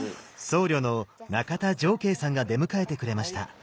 僧侶の中田定慧さんが出迎えてくれました。